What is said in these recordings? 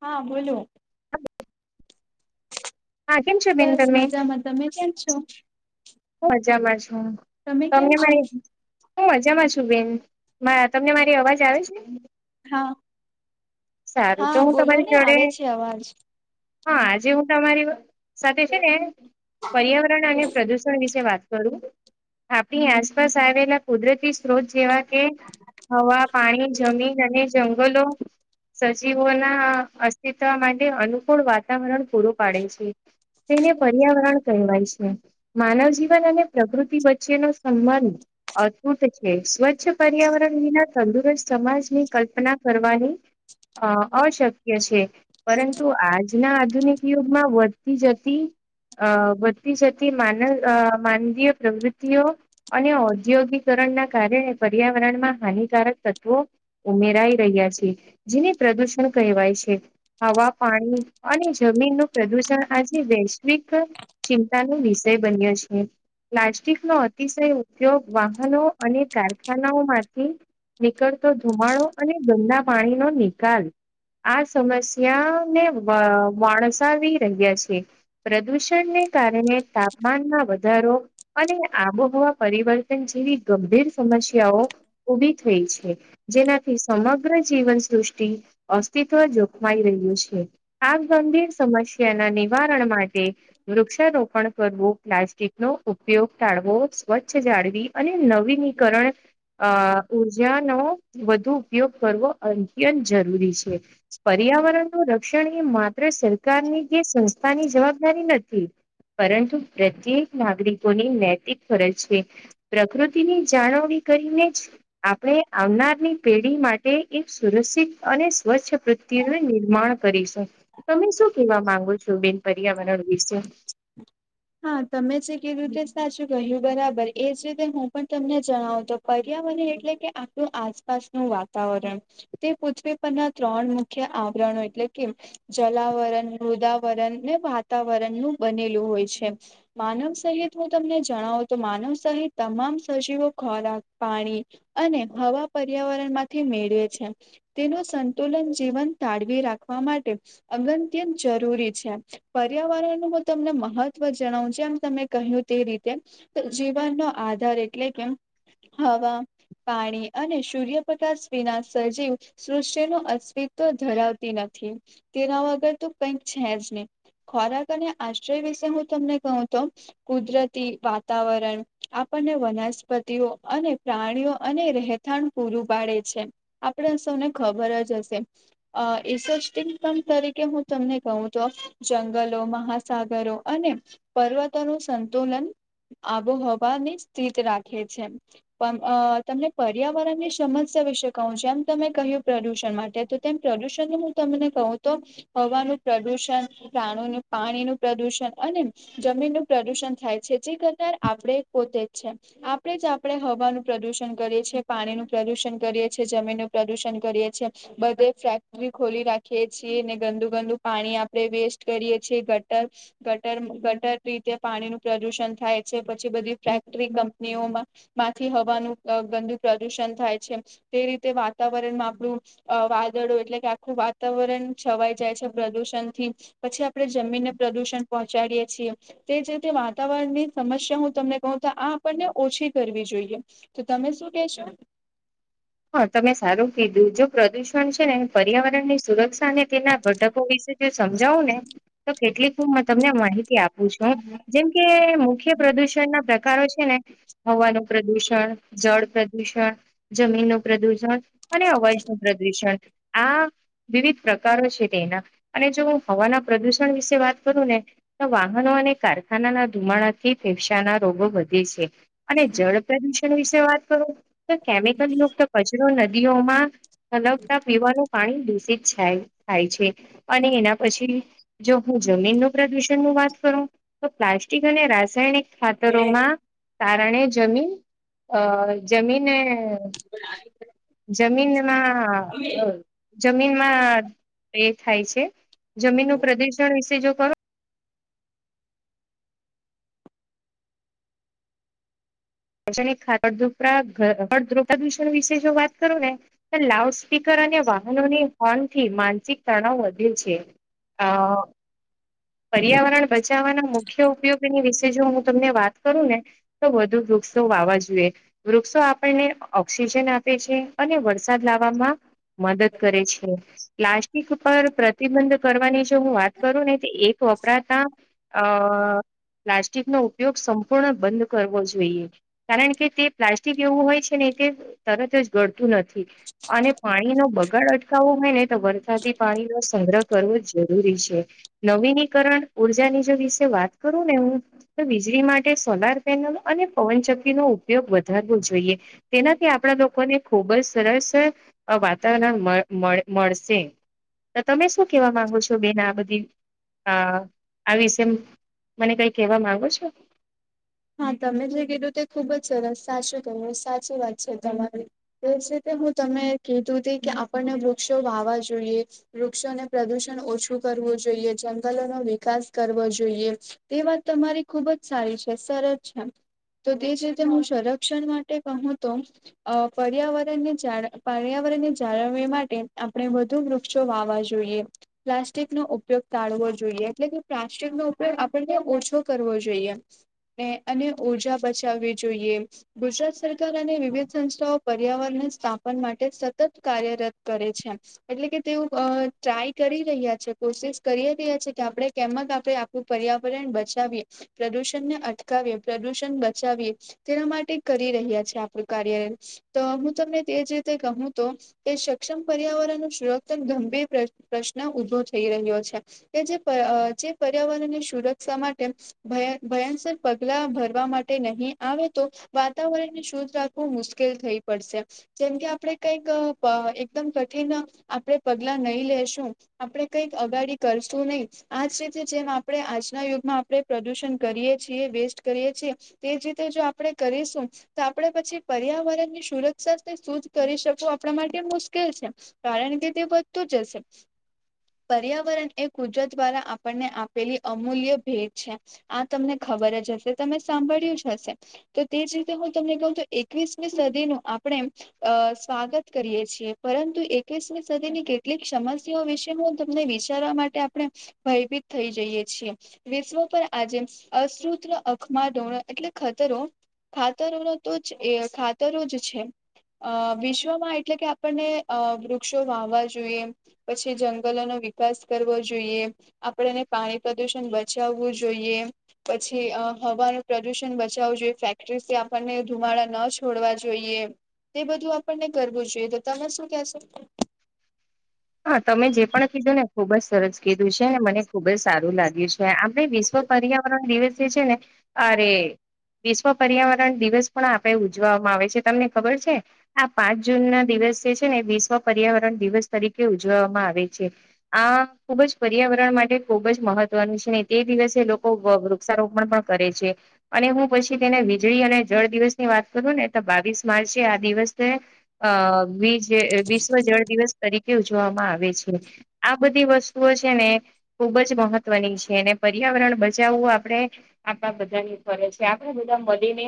હા બોલો. [inaudible] હા કેમ છો બેન બસ તમે હું મજામાં, તમે કેમ છો? જામાં છું, હું તમે કેમ તમને છો? મારી હું મજામાં છું બેન, તમને મારી અવાજ આવે છે? હા. સારું તો હા હું બોલો તમારી ને જોડે, આવે છે અવાજ. હા આજે હું તમારી સાથે છે ને પર્યાવરણ અને પ્રદુષણ વિશે વાત કરું. આપણી આસપાસ આવેલા કુદરતી સ્ત્રોત જેવા કે હવા, પાણી, જમીન અને જંગલો સજીવોના અસ્તિત્વ માટે અનુકૂળ વાતાવરણ પૂરું પાડે છે. તેને પર્યાવરણ કહેવાય છે, માનવ જીવન અને પ્રકૃતિ વચ્ચેનો સંબંધ અતૂટ છે, સ્વચ્છ પર્યાવરણ વિના તંદુરસ્ત સમાજની કલ્પના કરવાની અ અશક્ય છે, પરંતુ આજના આધુનિક યુગમાં વધતી જતી અ વધતી જતી માન અ માનવીય પ્રવૃતિઓ અને ઔદ્યોગિક ના કારણે પર્યાવરણમાં હાનિકારક તત્વો ઉમેરાઈ રહ્યા છે. જેને પ્રદુષણ કહેવાય છે. હવા, પાણી, અને જમીનનું પ્રદુષણ આજે વે વૈશ્વિક ચિંતાનો વિષય બન્યો છે. પ્લાસ્ટિકનો અતિશય ઉપયોગ વાહનો અને કારખાનાઓ માંથી નીકળતો ધુમાડો અને ગંદા પાણીનો નિકાલ આ સમસ્યાને વ વાણસાવી રહ્યા છે. પ્રદૂષણને તાપમાનમાં વધારો અને આબોહવા પરિવર્તન જેવી ગંભીર સમસ્યાઓ ઉભી થઈ છે. જેનાથી સમગ્ર જીવન દૃષ્ટિ અસ્તિત્વ જોખમાઈ રહ્યું છે, આ ગંભીર સમસ્યાના નિવારણ માટે વૃક્ષારોપણ કરવું, પ્લાસ્ટિકનો ઉપયોગ ટાળવો, સ્વચ્છ જાળવી અને નવીનીકરણ અ ઉર્જાનો વધુ ઉપયોગ કરવો અ ત્યંત જરૂરી છે પર્યાવરણનું રક્ષણ એ માત્ર સરકારની કે સંસ્થાની જવાબદારી નથી. પરંતુ પ્રત્યેક નાગરિકોની નૈતિક ફરજ છે, પ્રકૃતિની જાણવણી કરીને જ આપણે આવનારની પેઢી માટે એક સુરક્ષિત અને સ્વચ્છ પૃત્વી નું નિર્માણ કરીશું, તમે શું કેવા માંગો છો બેન? પર્યાવરણ વિશે [inaudible] હા, તમે જે કેવી રીતે સાચું કહ્યું, બરાબર એજ રીતે હું પણ તમને જણાવું, તો પર્યા એટલે કે આપણું આસપાસનું વાતાવરણ, તે પૃથ્વી પરના ત્રણ મુખ્ય આવ રણ એટલે કે જલાવરણ, મૃદાવરણ ને વાતાવરણ નું બનેલું હોય છે. માનવ સહિત હું તમને જણાવું તો માનવ સહિત તમામ સજીવો, ખોરાક, પાણી અને હવા પર્યાવરણ માંથી મેળવે છે. તેનું સંતુલન જીવન તા વી રાખવા માટે માટે અનંતયન જરૂરી છે. પર્યાવરણમાં તમને મહત્વ વ જણાવું જેમ તમે કહ્યું, તે રીતે જીવનનો આધાર એટલે કે હવા પાણી અને સૂર્યપ્રકાશ વિના સજીવ સૃષ્ટિનું અસ્તિત્વ ધરાવતી નથી. થી તેના વગર તો કઈક છે જ નહી ખોરાક અને આશ્રય વિશે હું તમને કહું તો કુદરતી વાતાવરણ આપણને વનસ્પતિઓ અને પ્રાણીઓ અને રહેઠાણ પૂરું પાડે છે. આપણે સૌને ખબર જ હશે રિસર્ચ ટિંગમ તરીકે હું તમને કહું તો જંગલો, મહાસાગરો અને પર્વતોનું સંતુલન આબોહવાની સ્થિત રાખે છે. પણ તમને પર્યાવરણની સમસ્યા વિશે કહું જેમ તમે કહ્યું પ્રદુષણ માટે તો. તેમ પ્રદુષણને હું તમને કહું, તો હવાનું પ્રદુષણ, પાણી પાણીનું પ્રદુષણ અને જમીનનું પ્રદુષણ થાય છે. જે કરનાર આપણે પોતે જ છે. આપણે જ આપણે હવાનું પ્ર પ્રદુષણ કરીએ છીએ. પાણીનું પ્રદુષણ કરીએ છીએ, જમીન નું પ્રદુષણ કરીએ છીએ, બધે ફેક્ટરી ખોલી રાખીએ છીએ ને ગંદુ ગંદુ પાણી આપણે વેસ્ટ કરીએ છીએ, ગટર ગટર રીતે પાણીનું પ્રદુષણ થાય છે. પછી બધી ફેક્ટરી, કંપનીઓ માંથી હવાનું ગંદુ પ્રદુષણ થાય છે. તે રીતે વાતાવરણમાં આપણું વાદળો એટલે કે વાતાવરણ છવાઈ જાય છે. પ્રદુષણથી પછી આપણે જમીનને પ્રદુષણ પહોંચાડીએે તે જ રીતે વાતાવરણની સમસ્યા, હું તમને કહું તો આ આપણને ઓછી કરવી જોઈએ. તો તમે શું કેશો? હા, તમે સારું કીધું, જો પ્રદુષણ છે ને પર્યાવરણ ની સુરક્ષા અને તેના ઘડકો વિશે સમજાવું ને તો કેટલીક હું તમને માહિતી આપ પુ છું જેમ કે, મુખ્ય પ્રદુષણ ના પ્રકારો છે ને હવાનું પ્રદુષણ જળ પ્રદૂષણ, જમીન ન પ્રદુષણ અને અવાશ નું પ્રદુષણ. હા. વિવિધ પ્રકારો છે તેના અને જો હું હવાના પ્રદુષણ વિશે વાત કરું ને તો વાહનો અને કારખાનાના ધુમાડાથી ફેફસાના રોગો વધે છે. અને જળ પ્રદુષણ વિશે વાત કરો તો કેમિકલ મુક્ત કચરો નદીઓમાં અલગતા પીવાનું. પાણી દૂષિત થાય છે. અને એના પછી જો હું જમીનનું પ્રદુષણ. વાત કરું તો પ્લાસ્ટિક અને રાસાયણિક. ખાતરોમાં કારણે જમીન અ જમીન. જમીનમાં. જમીનમાં એ થાય છે. જમીનનું પ્રદુષણ વિશે જો કરો. ખડપડ ધ પ્રદૂષણ વિશે જો વાત કરું ને તો લાઉડ સ્પીકર. વાહનોની હોર્ન થી માનસિક તણાવ વધે છે. આ પર્યાવરણ બચાવવાના મુખ્ય ઉપયોગની વિશે જો હું તમને વાત કરું ને તો વધુ વૃક્ષો વાવા જોઈએ. વૃક્ષો આપણને ઓક્સિજન આપે છે અને વરસાદ લાવવામાં મદદ કરે છે. પ્લાસ્ટિક પર પ્રતિબંધ કરવાની જો હું વાત કરું ને તો એ તોપરા હતા. અ પ્લાસ્ટિક નો ઉપયોગ સંપૂર્ણ બંધ કરવો જોઈએ. કારણ કે, તે પ્લાસ્ટિક એવું હોય છે ને. તરત જ ગડતું નથી. અને પાણી નો બગાડ અટકાવવો હોય ને તો વરસાદી પાણી પાણી નો સંગ્રહ કરવો જરૂરી છે નવી ઉર્જાની વિ વાત કરું ને હું વીજળી માટે સોલાર પેનલ અને પવનચ નો ઉપયોગ વધારવો જોઈએ. તેનાથી આપણા લોકોને ખુબ જ સરસ વાતાવરણ મળ મળ મળશે તો તમે શું કેવા માંગો છો બેન આ બધી હા, આ વિશે મને કઈ કહેવા માંગો છો? હા તમે જે કીધું તે ખુબ જ સરસ સાચું કરું સાચી વાત છે તમારી. તે જ રીતે હું તમે કીધું ત કે આપણને વૃક્ષો વાહવા જોઈએ. વૃક્ષોને પ્રદુષણ ઓછું કરવુ. જોઈએ જંગલો નો વિકાસ કરવો જોઈએ. તે વાત તમારી ખુબ જ સારી છે. સરસ છે. તો તે જ રીતે હું સંરક્ષણ માટે કહું તો પર્યાવરણને જા પર્યાવર. જાળવ માટે આપણે વધુ વૃક્ષો વાવા જોઈએ. પ્લાસ્ટિક નો ઉપયોગ તાળવો. જોએ એટલે કે પ્લાસ્ટિક નો ઉપયોગ આપણે ત્યા ઓછો કરવો જોઈએ. અને ઉર્જા બચાવવી જોઈએ ગુજરાત સરકાર અને વિવિધ સંસ્થાઓ. પર્યાવરણને સ્થાપન માટે સતત કાર્યરત કરે છે એટલે કે તેઓ ટ્રાય. રહ્યા છે કોશિશ કરી રહ્યા છે કે આપણે કેમ આપણે આખું પર્યાવરણ બચાવીએ પ્રદુષણ. શણને અટ અટકાવ પ્રદૂષણ બચાવીએ. તેના માટે કરી રહ્યા છે આપણું કાર્ય તો હું તમને. તે જ રીતે કહું તો કે સક્ષમ પર્યાવરણ ન સુરક્ષ ગંભીર પ્રશ્ન ઉભો છે. રહ્યો છે કે જે પર્યાવરણની સુરક્ષા માટે ભયંકર. પગલા ભરવા માટે નહી આવે તો વાતાવરણને શુદ્ધ રાખવું મુશ્કેલ થઈ પડશે. જેમકે આપણે કઈક એકદમ કઠિન આપણે પગલા નહી લેેશું આપણે કઈક. અગાડી કરશું નહી. આજ રીતે જેમ આપણે આજના યુગમાં આપણે પ્રદુષણ કરીએ. છીએ વેસ્ટ કરીએ છીએ. તે જ રીતે જો આપણે કરીશું તો આપણે પછી પર્યાવરણ ની સુરત. શુંજ કરી શકવું આપણા માટે મુશ્કેલ છે કારણ કે તે વધતું જ હશે. પર્યાવરણ એ કુદરત દ્વારાા આપણને આપેલી અમૂલ્ય ભેદ છે આ તમને. ખબર જ હશે. તમે સાંભળ્યું જ હશે તો તે જ રીતે હું તમને કહું તો એકવીસમી સદીનું. આપણે સ્વાગત કરીએ છીએ. પરંતુ એકવીસમી સદીની કેટલીક સમસ્યાઓ વિશે. તમને વિચારવા માટે આપણે ભયભીત થઈ જઈએ છીએ વિશ્વ પર આજે. અશત્રુત્ર અખમાડો એટલે ખતરો. ખાતરોનો તોજ એ ખાતરો જ છે. અ વિશ્વમાં એટલે કે આપણને અ વૃક્ષો વાવવા જોઈએ પછી જંગલો નો વિકાસ કરવો જોઈએ આપણને પાણી પ્રદુષણ બચાવવું જોઈએ. પછી હવાનું પ્રદુષણ બચાવવું જોઈએ ફેક્ટરી થી આપણને ધુમાડા ન છોડવા જોઈએ. તે બધું આપણને કરવું જોઈએ તો તમે શું કેશો હા તમે જે પણ કીધું ને ખુબ જ સરસ કીધું છે અને મને ખુબ જ સારું લાગ્યું છે આપણે વિશ્વા પર્યાવરણ દિવસ એ છેને અરે વિશ્વ પર્યાવરણ દિવસ પણ આપણે ઉજવામાં આવે છે. તમને ખબર છે આ પાંચ જૂન ના દિવ દિવસ જે છે ને વિશ્વ પર્યાવરણ દિવસ તરી ઉજવવામાં આવે છે આ ખુબ જ પર્યાવરણ માટે ખુબ જ મહત્વનું છેને તે દિવસ લોકો વૃક્ષારોપણ પણ કરે છે અને હું પછી તેને વીજળી અને જળ દિવસ ની વાત કરું બાવીસ માર્ચે આ દિવસને અ વિજ વિશ્વ જળ દિવસ તરીકે ઉજવામાં આવે છે આ બધી વસ્તુઓ છે ને ખુબ જ મહત્વની છે અને પર્યા પર્યાવરણ બચાવવું આપડણે આપણા બધાની ફરજ છે આપણેે બધા મળીને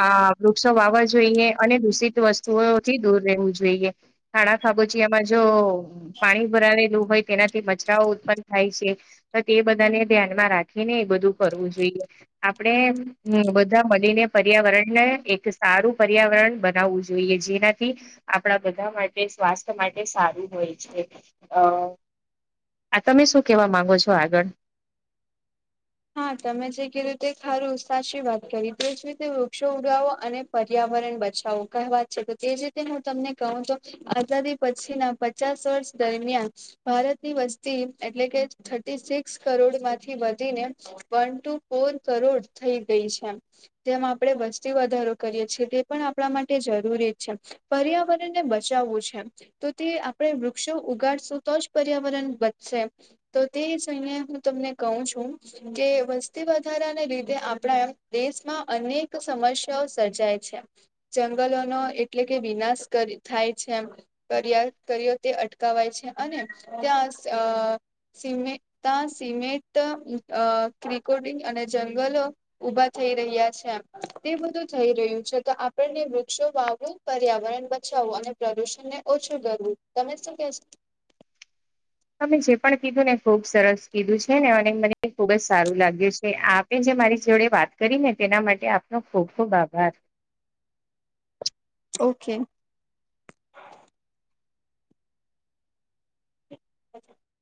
આ વૃ વ્રુક્ષો વાવા જોઈએ અને દૂષિત વસ્તુઓથી દૂર રહેવું જોઈએ ખાણા ખાબુચીયામાં જ જો પાણી ભરાવે લૂં. હોય તેનાથી બચરાઓ ઉત્પન્ન થાય છે તો તે બધાને ધ્યાનમાં રાખીને એ બધું કરવું જોઈએ. આપણેે બધા મળીને પર્યાવરણ ને એક સારું પર્યાવરણ બનાવવું છે. જોઇએ જેનાથી આપણા બધા માટે સ્વાસ્થ્ય માટે તે સારું હોય છે અ આ તમે શું કેવા માંગો છો આગળ હા તમે જે ક રીતે ખારું ઉત્સાહ વાત કરી તે જ રીતે વૃક્ષો ઉગાવો અને પર્યાવરણ પર્યારણ બચાવું કઈ વાત છે તો તે જ રીતે હું તમને કહું તો આઝાદી પછી ના પચાસ વર્ષ દરમિયાન ભારતની વસ્તી એટલે કે થર્ટી સિક્સ કરોડ માંથી વધીને વન ટુ ફોર કરોડ થઈ ગઈ છે. જેમાં આપણે વસ્તી વધારો કરીએ છીએ એ પણ આપણા માટે જરૂરી છે. પર્યાવરણને બચાવવું છે તો તે આપણે વૃક્ષો ઉગાડશું તો જ પર્યાવરણ વચશે તો તે જોઇને હું તમને કહઉ છું કે વસ્તી વધારાને લીધે આપણા એમ દેશમાં અનેક સમસ્યાઓ સર્જાય જંગલો નો એટલે કે વિનાશ થાય છે કર્યા કર્યો તે અટકવાય છે અને ત્યાં સિમે તાં સિમેન્ટ અ ક્રિકોટી અને જંગલો ઉભા થઈ રહ્યા છે તે બધું થઈ રહ્યું છે છે તો આપણને વૃક્ષો વાવવું પર્યાવરણ બચાવવું અને પ્રદુષણ ને ઓછું કરવું તમે શું શું [unintelligible] અમે જે પણ કીધું ને ખુબ સરસ કીધું છે ને અને મને ખુબ જ સારું લાગ્યું છે આપે જે મારી જોડે વાત કરી ને તેના માટે આપનો ખુબ ખુબ આભાર ઓકે [unintelligible]